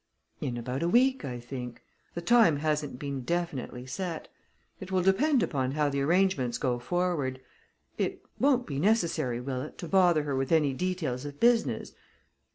"In about a week, I think. The time hasn't been definitely set. It will depend upon how the arrangements go forward. It won't be necessary, will it, to bother her with any details of business?